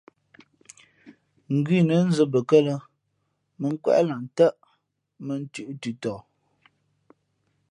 Ngʉnə̌ nzᾱ mbαkάlᾱ mᾱ nkwéʼ lah ntάʼ mᾱnthʉ̄ʼ ntʉntɔ.